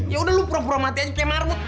ya udah lo pura pura mati aja kayak marut